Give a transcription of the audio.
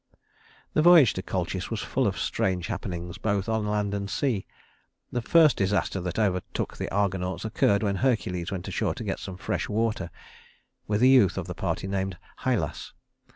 The voyage to Colchis was full of strange happenings, both on land and sea. The first disaster that overtook the Argonauts occurred when Hercules went ashore to get some fresh water, with a youth of the party named Hylas.